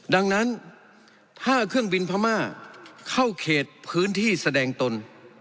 ดังนั้นถ้าเครื่องบินพม่าเข้าเขตพื้นที่แสดงตน